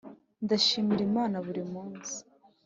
ndashimira imana buri munsi ...